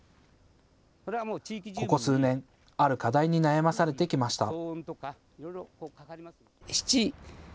ここ数年、ある課題に悩まされてきました。